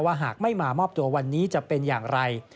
หากไม่มามอบตัววันนี้จะเป็นอย่างไร